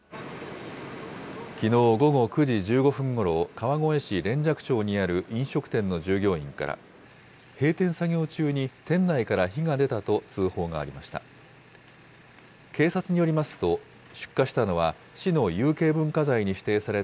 きのう午後９時１５分ごろ、川越市連雀町にある飲食店の従業員から、閉店作業中に店内から火が出たと通報がありました。